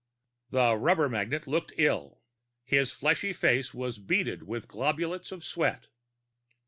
The rubber magnate looked ill; his fleshy face was beaded with globules of sweat.